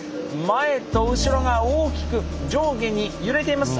前と後ろが大きく上下に揺れています。